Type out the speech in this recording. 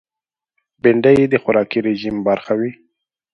بېنډۍ د خوراکي رژیم برخه وي